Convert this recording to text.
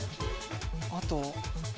あと。